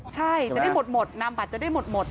ใช่จะได้หมดนามบัตรจะได้หมด